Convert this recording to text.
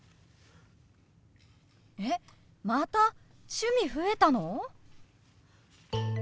えっまた趣味増えたの！？